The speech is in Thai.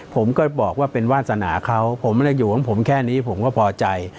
ผมก็บอกว่าเป็นวาสนาเขาผมไม่ได้อยู่ของผมแค่นี้ผมก็พอใจ